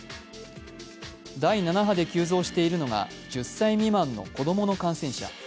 第７波で急増しているのが１０歳未満の子供の感染者。